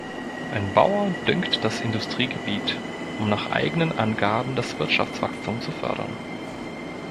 Ein Bauer düngt das Industriegebiet, um nach eigenen Angaben das Wirtschaftswachstum zu fördern.